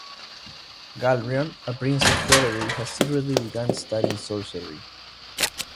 Galrion, a prince of Deverry, has secretly begun studying sorcery.